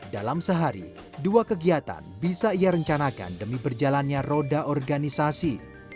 dalam sehari dua kegiatan bisa ia rencanakan demi berjalannya roda organisasi